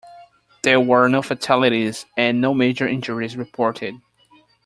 There were no fatalities and no major injuries reported.